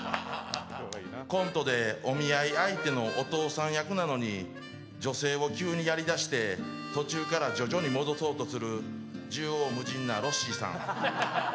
コントでお見合い相手のお父さん役なのに女性を急にやりだして途中から徐々に戻そうとする縦横無尽なロッシーさん。